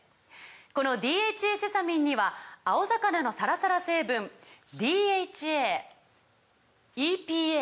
この「ＤＨＡセサミン」には青魚のサラサラ成分ＤＨＡＥＰＡ